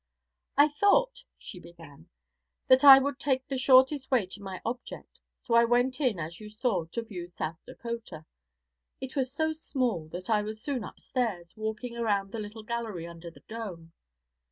'I thought,' she began, 'that I would take the shortest way to my object, so I went in, as you saw, to view South Dakota. It was so small that I was soon upstairs, walking around the little gallery under the dome.